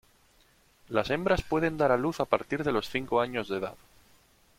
Las hembras pueden dar a luz a partir de los cinco años de edad.